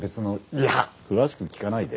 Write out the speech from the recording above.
いや詳しく聞かないで。